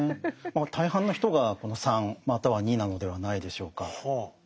大半の人がこの３または２なのではないでしょうか。